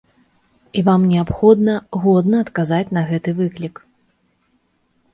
І вам неабходна годна адказаць на гэты выклік.